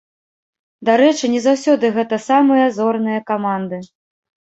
Дарэчы, не заўсёды гэта самыя зорныя каманды.